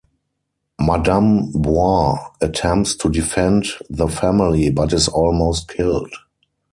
Madame Wah attempts to defend the family, but is almost killed.